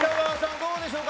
どうでしょうか。